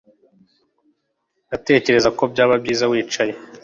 Ndatekereza ko byaba byiza wicaye